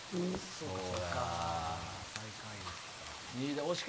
そうか、最下位か。